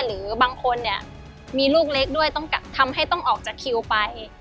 หรือบางคนเนี่ยมีลูกเล็กด้วยต้องทำให้ต้องออกจากคิวไป